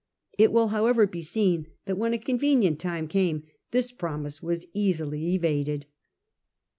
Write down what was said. It will however be seen that when a convenient time came, this promise was easily evaded.